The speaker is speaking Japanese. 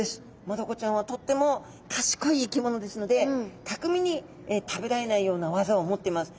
マダコちゃんはとっても賢い生き物ですのでたくみに食べられないような技を持ってます。